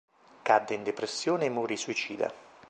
Cadde in depressione e morì suicida.